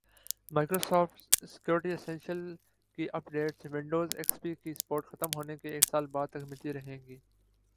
Microsoft security essential کی updates Windows X P کی support ختم ہونے کے ایک سال بعد تک ملتی رہیں گی